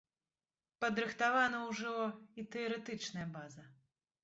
Падрыхтавана ўжо і тэарэтычная база.